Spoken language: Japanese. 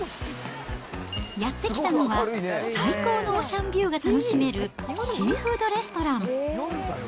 やって来たのは、最高のオーシャンビューが楽しめるシーフードレストラン。